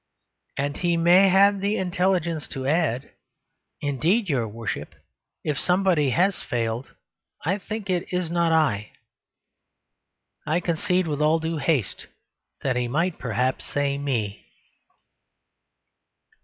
And he may have the intelligence to add, "Indeed, your worship, if somebody has failed, I think it is not I." I concede, with all due haste, that he might perhaps say "me."